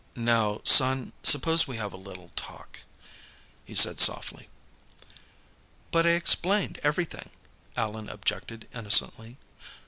"Now, son, suppose we have a little talk," he said softly. "But I explained everything." Allan objected innocently.